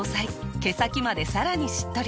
毛先までさらにしっとり。